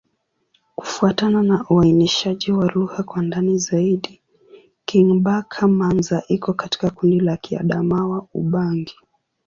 Kufuatana na uainishaji wa lugha kwa ndani zaidi, Kingbaka-Manza iko katika kundi la Kiadamawa-Ubangi.